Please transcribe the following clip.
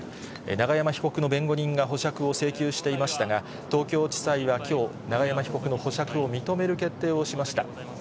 永山被告の弁護人が保釈を請求していましたが、東京地裁はきょう、永山被告の保釈を認める決定をしました。